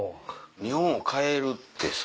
日本を変えるってさ。